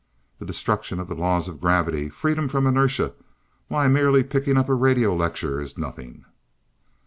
The destruction of the laws of gravity, freedom from inertia why, merely picking up a radio lecture is nothing!"